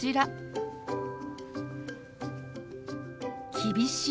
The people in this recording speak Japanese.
「厳しい」。